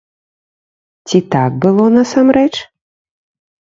Ці так было насамрэч?